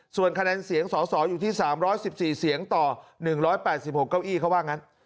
ส่วนคะแนนเสียงสอสออยู่ที่๓๑๔เสียงต่อ๑๘๖เก้าอี้เขาว่างั้น